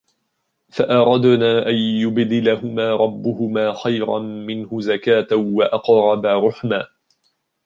فَأَرَدْنَا أَنْ يُبْدِلَهُمَا رَبُّهُمَا خَيْرًا مِنْهُ زَكَاةً وَأَقْرَبَ رُحْمًا